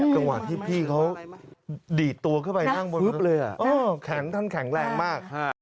กระหว่างที่พี่เขาดีดตัวเข้าไปนั่งบนเพิ่มเลยอ่ะแข็งแข็งแข็งแรงมาก